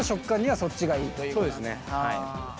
そうですねはい。